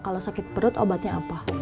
kalau sakit perut obatnya apa